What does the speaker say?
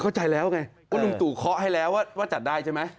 เข้าใจแล้วไงว่าลุงตู่เคาะให้แล้วว่าจัดได้ใช่ไหม